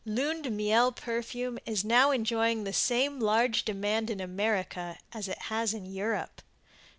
Lune de Miel perfume is now enjoying the same large demand in America as it has in Europe.